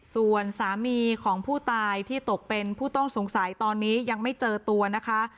ส่วนสามีของผู้ตายที่ตกเป็นผู้ต้องสงสัยตอนนี้ยังไม่เจอตัวนะคะ